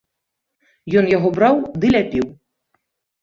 Ён яго браў ды ляпіў.